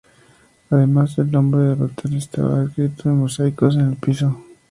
Además, el nombre del hotel estaba escrito con mosaicos en el piso.